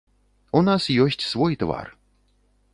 У нас ёсць свой твар.